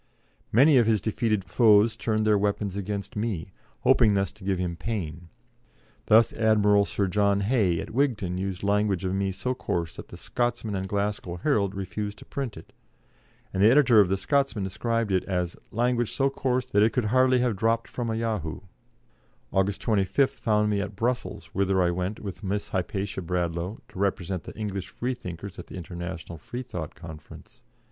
Many of his defeated foes turned their weapons against me, hoping thus to give him pain; thus Admiral Sir John Hay, at Wigton, used language of me so coarse that the Scotsman and Glasgow Herald refused to print it, and the editor of the Scotsman described it as "language so coarse that it could have hardly dropped from a yahoo." August 25th found me at Brussels, whither I went, with Miss Hypatia Bradlaugh, to represent the English Freethinkers at the International Freethought Conference.